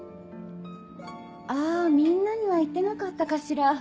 あみんなには言ってなかったかしら。